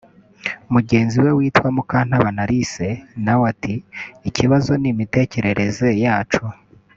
Mugenzi we witwa Mukantabana Alice nawe ati “Ikibazo n’imitekerereze yacu